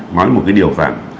nói một cái điều rằng